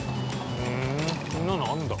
ふーんこんなのあるんだ。